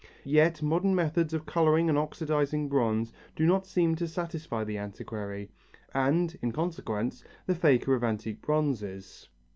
Yet modern methods of colouring and oxidizing bronze do not seem to satisfy the antiquary and, in consequence, the faker of antique bronzes.